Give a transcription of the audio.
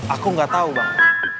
aku gak tau bang